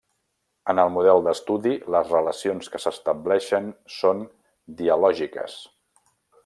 En el model d’estudi, les relacions que s’estableixen són dialògiques.